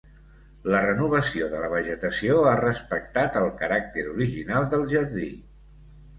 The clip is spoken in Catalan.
La renovació de la vegetació ha respectat el caràcter original del jardí.